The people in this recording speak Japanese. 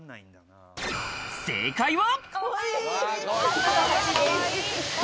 正解は。